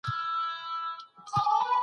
خلک اوس له روژې وروسته احتیاط کوي.